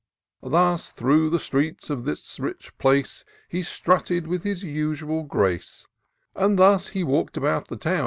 Thus, through the streets of this rich place, He strutted with his usual grace ; And thus he walk'd about the town.